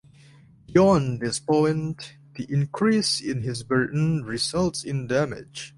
Beyond this point, the increase in his burden results in damage.